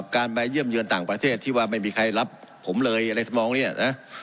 การไปเยี่ยมเยือนต่างประเทศที่ว่าไม่มีใครรับผมเลยอะไรทำนองเนี่ยนะ